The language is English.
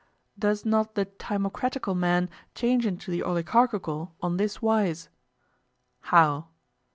Does not the timocratical man change into the oligarchical on this wise? How?